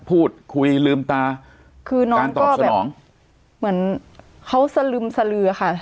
พูดคุยลืมตาการตอบสนองคือน้องก็แบบเหมือนเขาสลึมสลือค่ะ